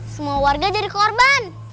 semua warga jadi korban